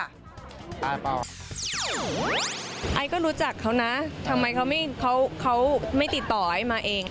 อายก็รู้จักเขานะทำไมเขาไม่ติดต่ออายมาเอง